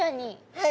はい。